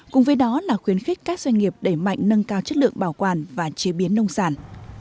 cùng với đó là khuyến khích các doanh nghiệp đẩy mạnh nâng cao chất lượng bảo quản và chế biến nông sản